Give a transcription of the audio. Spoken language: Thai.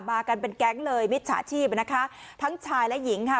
มากันเป็นแก๊งเลยมิจฉาชีพนะคะทั้งชายและหญิงค่ะ